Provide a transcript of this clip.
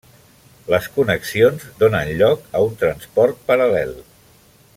Les connexions donen lloc a un transport paral·lel.